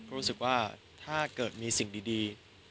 ก็รู้สึกว่าถ้าเกิดมีสิ่งดี